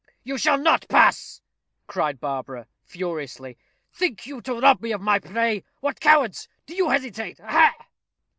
"You shall not pass," cried Barbara, furiously. "Think you to rob me of my prey? What, cowards! do you hesitate? Ha!"